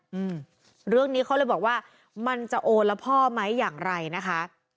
อืมเรื่องนี้เขาเลยบอกว่ามันจะโอนแล้วพ่อไหมอย่างไรนะคะ